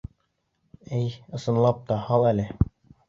Эй, ысынлап та, һал әле!